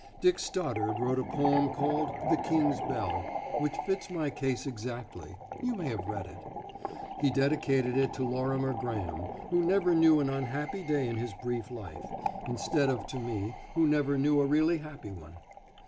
Dick Stoddard wrote a poem called "The King's Bell," which fits my case exactly (you may have read it) . He dedicated it to Lorimer Graham, who never knew an unhappy day in his brief life, instead of to me, who never knew a really happy one.